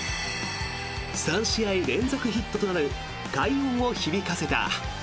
３試合連続ヒットとなる快音を響かせた。